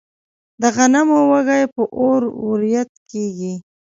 د غنمو وږي په اور وریت کیږي.